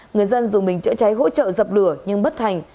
người dân dùng bình chữa cháy hỗ trợ dập lửa nhưng bất thành